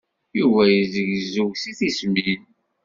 Yuba yezzegzew si tismin.